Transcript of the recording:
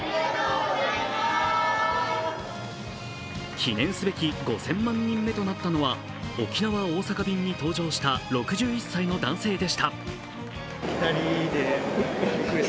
記念すべき５０００万人目となったのは沖縄−大阪便に搭乗した６１歳の男性でした。